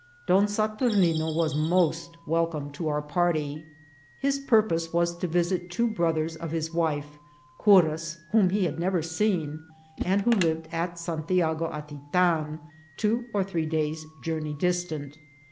Don Saturnine was most welcome to our party. His purpose was to visit two brothers of his wife, curas, whom he had never seen, and who lived at Santiago Atitan, two or three days' journey distant.